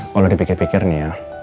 kalau dipikir pikir nih ya